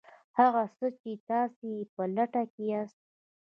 هغه څه چې تاسې یې په لټه کې یاست